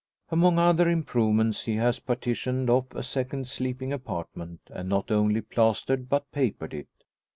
Among other improvements he has partitioned off a second sleeping apartment, and not only plastered but papered it.